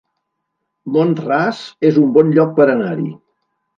Mont-ras es un bon lloc per anar-hi